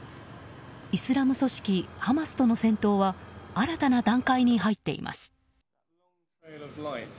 イスラム組織ハマスとの戦闘は新たな段階に入っています。